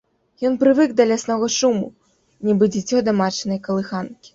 Ён прывык да ляснога шуму, нібы дзіцё да матчынай калыханкі.